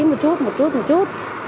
một chút một chút một chút